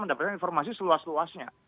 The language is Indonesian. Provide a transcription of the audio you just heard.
mendapatkan informasi seluas luasnya